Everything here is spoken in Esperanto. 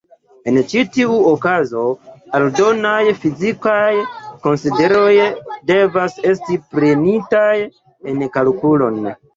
En ĉi tiu okazo aldonaj fizikaj konsideroj devas esti prenitaj en kalkulon.